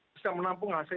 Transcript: bisa menampung hasilnya